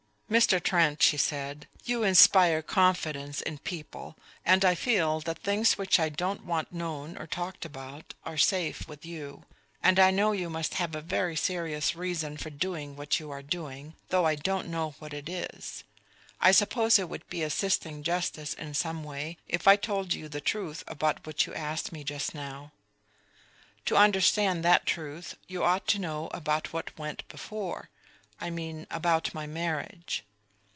"Mr. Trent," she said, "you inspire confidence in people, and I feel that things which I don't want known or talked about are safe with you. And I know you must have a very serious reason for doing what you are doing, though I don't know what it is. I suppose it would be assisting justice in some way if I told you the truth about what you asked me just now. To understand that truth you ought to know about what went before; I mean about my marriage.